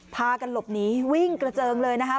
พากันหลบหนีวิ่งกระเจิงเลยนะคะ